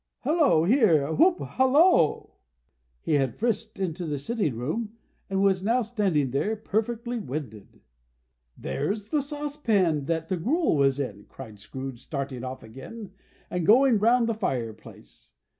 Hallo here! Whoop! Hallo!" He had frisked into the sitting room, and was now standing there, perfectly winded. "There's the sauce pan that the gruel was in!" cried Scrooge, starting off again, and going round the fireplace.